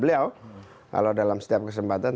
beliau kalau dalam setiap kesempatan